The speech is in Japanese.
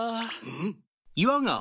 うん。